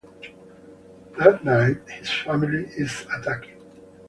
That night, his family is attacked.